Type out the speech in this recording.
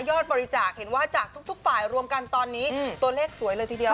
บริจาคเห็นว่าจากทุกฝ่ายรวมกันตอนนี้ตัวเลขสวยเลยทีเดียว